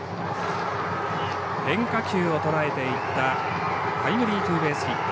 変化球をとらえていったタイムリーツーベースヒット。